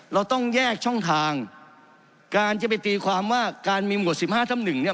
เราต้องแยกช่องทางการจะไปตีความว่าการมีหมวด๑๕ทั้ง๑เนี่ย